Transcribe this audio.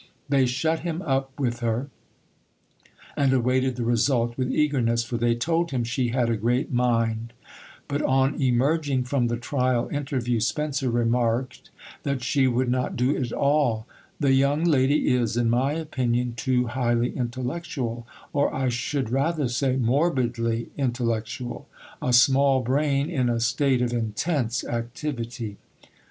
They shut him up with her, and awaited the result with eagerness, for they told him she had a great mind; but on emerging from the trial interview Spencer remarked that she would not do at all: "The young lady is, in my opinion, too highly intellectual; or, I should rather say morbidly intellectual. A small brain in a state of intense activity."